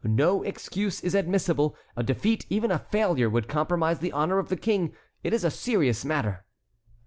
No excuse is admissible; a defeat, even a failure, would compromise the honor of the King. It is a serious matter."